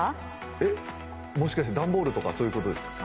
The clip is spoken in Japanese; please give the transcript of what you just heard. え、もしかして段ボールとかそういうことですか？